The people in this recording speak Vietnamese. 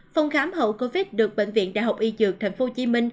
phòng khám hậu covid được bệnh viện đại học y dược tp hcm